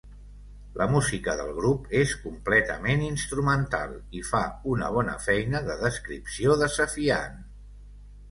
La música del grup és completament instrumental i "fa una bona feina de descripció desafiant".